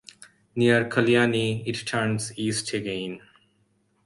Near Kalliani it turns east again.